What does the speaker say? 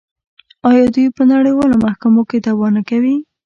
آیا دوی په نړیوالو محکمو کې دعوا نه کوي؟